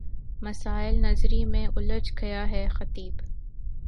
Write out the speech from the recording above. مسائل نظری میں الجھ گیا ہے خطیب